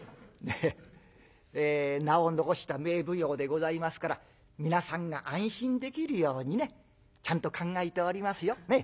ええ名を残した名奉行でございますから皆さんが安心できるようにねちゃんと考えておりますよ。